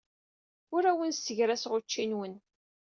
Ur awen-ssegraseɣ ucci-nwen.